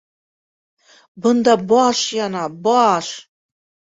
Бында баш яна, баш!